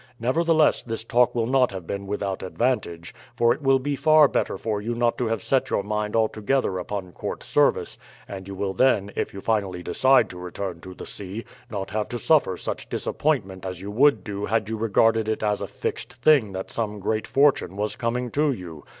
Nevertheless this talk will not have been without advantage, for it will be far better for you not to have set your mind altogether upon court service; and you will then, if you finally decide to return to the sea, not have to suffer such disappointment as you would do had you regarded it as a fixed thing that some great fortune was coming to you.